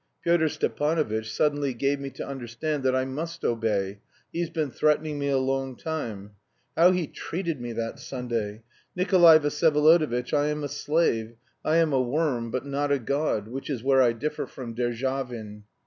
Pyotr Stepanovitch suddenly gave me to understand that I must obey; he's been threatening me a long time. How he treated me that Sunday! Nikolay Vsyevolodovitch, I am a slave, I am a worm, but not a God, which is where I differ from Derzhavin.